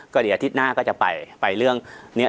ก็เดี๋ยวอาทิตย์หน้าก็จะไปไปเรื่องนี้